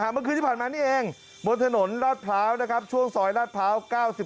เมื่อคืนที่ผ่านมานี่เองบนถนนลาดพร้าวนะครับช่วงซอยลาดพร้าว๙๑